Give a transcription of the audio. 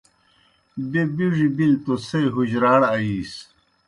بیْہ بِڙیْ بِلیْ توْ څھے حجراڑ آیِیس۔